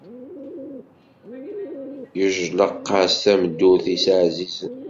Yejleq-as tameddurt-is ɛzizen.